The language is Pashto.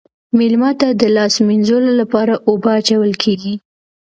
میلمه ته د لاس مینځلو لپاره اوبه اچول کیږي.